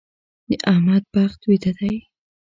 د احمد بخت ويده دی.